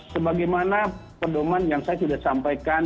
sebagaimana pedoman yang saya sudah sampaikan